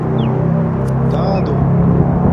دادݸ